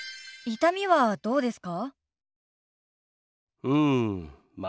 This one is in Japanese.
「痛みはどうですか？」。